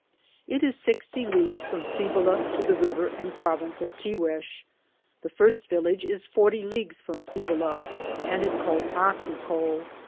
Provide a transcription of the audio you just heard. It is 60 leagues from Cibola to the river and province of Tibex [Tiguex] . The first village is 40 leagues from Cibola, and is called Acuco.